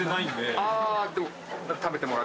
ああでも。